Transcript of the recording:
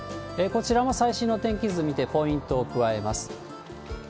こちらも最新の天気図見て、ポイントを加えます。